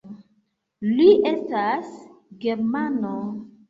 Li estas germano.